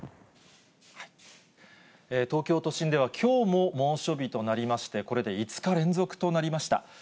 東京都心ではきょうも猛暑日となりまして、これで５日連続となりました。